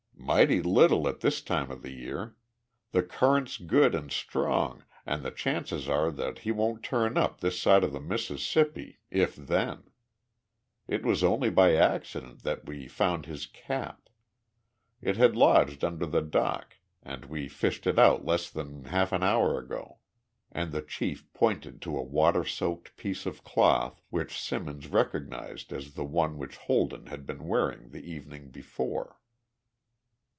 "Mighty little at this time of the year. The current's good and strong an' the chances are that he won't turn up this side of the Mississippi, if then. It was only by accident that we found his cap. It had lodged under the dock and we fished it out less 'n half an hour ago " and the chief pointed to a water soaked piece of cloth which Simmons recognized as the one which Holden had been wearing the evening before.